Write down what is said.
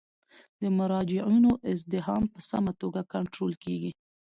د مراجعینو ازدحام په سمه توګه کنټرول کیږي.